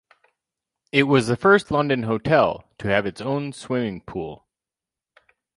It was the first London hotel to have its own swimming pool.